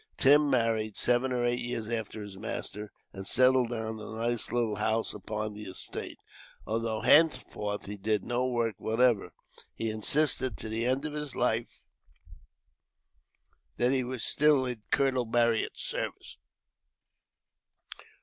Tim married, seven or eight years after his master, and settled down in a nice little house upon the estate. Although, henceforth, he did no work whatever; he insisted, to the end of his life, that he was still in Colonel Marryat's service.